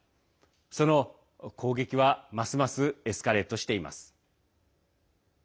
その攻撃は、ますますエスカレートしています。